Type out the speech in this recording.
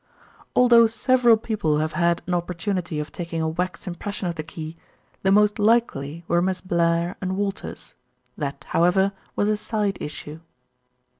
"Although several people have had an opportunity of taking a wax impression of the key, the most likely were Miss Blair and Walters that, however, was a side issue."